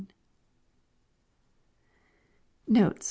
Notes.